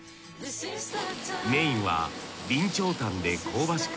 メインは備長炭で香ばしく